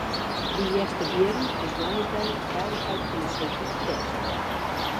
By Easterbierrum is woansdei de feilichheid fan de seedyk test.